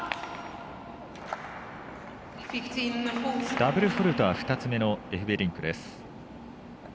ダブルフォールトが２つ目のエフベリンクです。